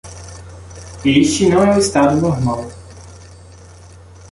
Este não é o estado normal.